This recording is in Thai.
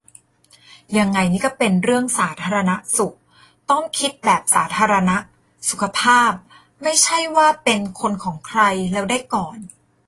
ยังไงนี่ก็เป็นเรื่องสาธารณสุข ต้องคิดแบบสาธารณะ-สุขภาพ ไม่ใช่ว่าเป็นคนของใครแล้วได้ก่อน